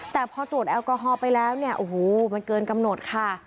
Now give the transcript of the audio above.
แต่พอตรวจแอลกอฮอล์ไปแล้วเนี่ยโอ้โหมันเกินกำหนดค่ะ